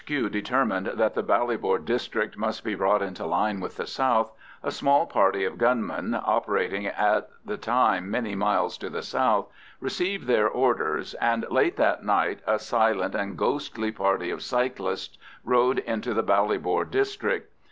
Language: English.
H.Q. determined that the Ballybor district must be brought into line with the south, a small party of gunmen, operating at the time many miles to the south, received their orders, and late that night a silent and ghostly party of cyclists rode into the Ballybor district.